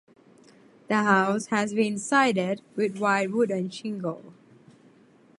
The house has been sided with wide wooden shingle.